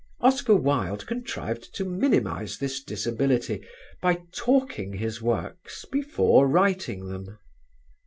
Oscar Wilde contrived to minimise this disability by talking his works before writing them.